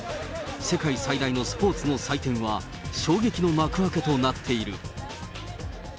世界最大のスポーツの祭典は、衝撃の幕開けとなっている。